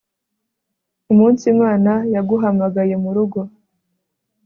umunsi imana yaguhamagaye murugo